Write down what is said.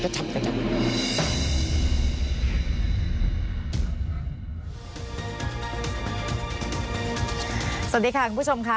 สวัสดีค่ะคุณผู้ชมค่ะ